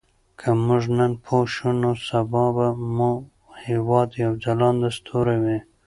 که موږ نن پوه شو نو سبا به مو هېواد یو ځلانده ستوری وي.